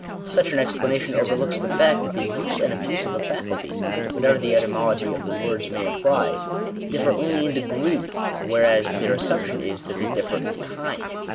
Such an explanation overlooks the fact that the use and abuse of a faculty (whatever the etymology of the words may imply) differ only in degree ; whereas their assumption is, that they differ in kind.